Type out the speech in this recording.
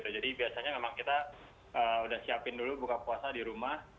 jadi biasanya memang kita sudah siapkan dulu buka puasa di rumah